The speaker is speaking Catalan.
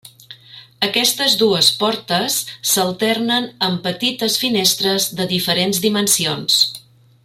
Aquestes dues portes s'alternen amb petites finestres de diferents dimensions.